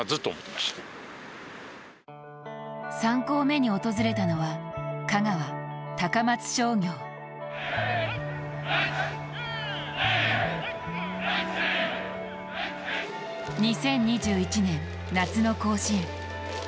３校目に訪れたのは香川・高松商業２０２１年夏の甲子園。